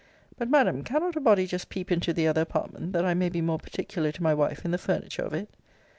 But, Madam, cannot a body just peep into the other apartment; that I may be more particular to my wife in the furniture of it?